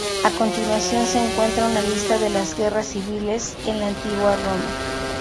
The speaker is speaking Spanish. A continuación se encuentra una lista de las guerras civiles en la Antigua Roma.